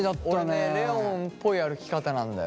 でもね俺ねレオンっぽい歩き方なんだよ。